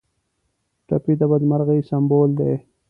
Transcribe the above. ټپي د بدمرغۍ سمبول دی.